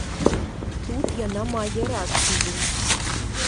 Тут яна мае рацыю.